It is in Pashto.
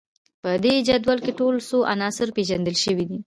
په دې جدول کې ټول څو عناصر پیژندل شوي دي